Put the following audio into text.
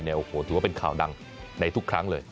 โอ้โหถือว่าเป็นข่าวดังในทุกครั้งเลย